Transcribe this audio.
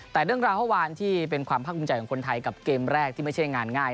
แต่เรื่องราวเมื่อวานที่เป็นความภาคภูมิใจของคนไทยกับเกมแรกที่ไม่ใช่งานง่าย